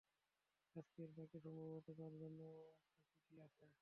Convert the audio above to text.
আজকের ডাকে, সম্ভবত, তোর জন্যে ও একটা চিঠি আছে।